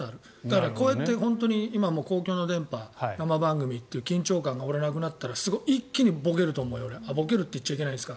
今もこういう公共の電波生番組という緊張感がなくなったら俺、一気にぼけると思うぼけると言っちゃいけないか。